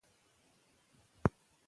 دا بوټي د هوا ککړتیا هم کموي.